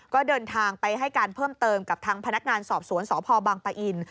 ก็เดินทางไปให้การเพิ่มเติมกับทางพนักงานสอบสวนสพบังปะอิน